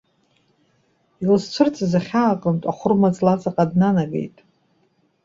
Илызцәырҵыз ахьаа аҟынтә ахәырмаҵла аҵаҟа днанагеит.